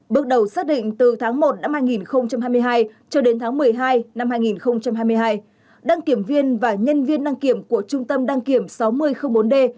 bước đầu xác định từ tháng một năm hai nghìn hai mươi hai cho đến tháng một mươi hai năm hai nghìn hai mươi hai đăng kiểm viên và nhân viên đăng kiểm của trung tâm đăng kiểm sáu nghìn bốn d